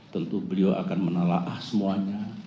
tentu beliau akan menelaah semuanya